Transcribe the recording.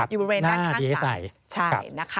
อยู่บริเวณด้านข้างซ้าย